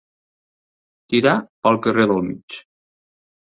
Tirar pel carrer del mig.